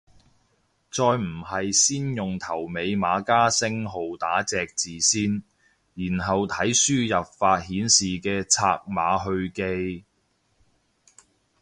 再唔係先用頭尾碼加星號打隻字先，然後睇輸入法顯示嘅拆碼去記